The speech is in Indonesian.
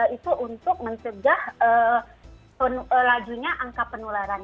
itu untuk mencegah lajunya angka penularan